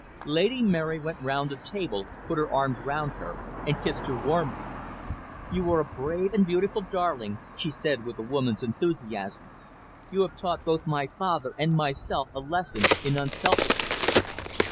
Lady Mary went round the table, put her arms round her, and kissed her warmly. "You are a brave and beautiful darling," she said, with a woman's enthusiasm. "You have taught both my father and myself a lesson in unselfishness.